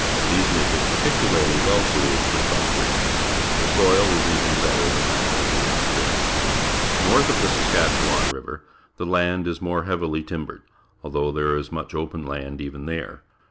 These make it particularly well suited for stock raising. The soil is even better than that of the open pi'airies. North of the Saskatchewan RiA'er, the land is more hea^'ih^ timbered, although there is much open land even there.